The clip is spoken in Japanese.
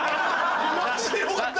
マジでよかった！